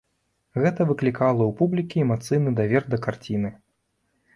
Гэта выклікала ў публікі эмацыйны давер да карціны.